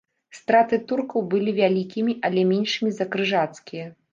Страты туркаў былі вялікімі, але меншымі за крыжацкія.